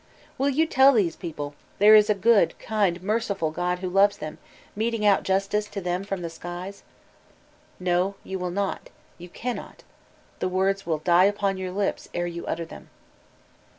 Will you tell these people there is a good, kind, merciful God who loves them, meting out justke to them from the skies ? V No, you wiU not, you cannot The words wiD die upon your lips ere you utter them.